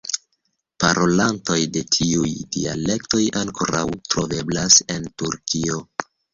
Parolantoj de tiuj dialektoj ankoraŭ troveblas en Turkio.